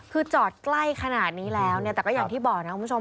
คือจอดใกล้ขนาดนี้แล้วเนี่ยแต่ก็อย่างที่บอกนะคุณผู้ชม